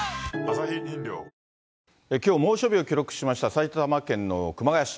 きょう、猛暑日を記録しました埼玉県の熊谷市。